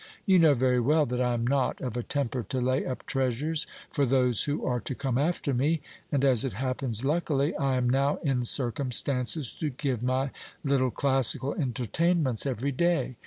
You know very well that I am not of a temper to lay up treasures for those who are to come after me ; and as it happens luckily, I am now in circumstances to give my little classical entertainments every day.